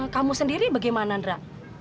kamu sendiri bagaimana ndra